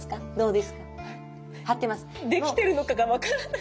できてるのかが分からない。